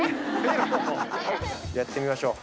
やってみましょう。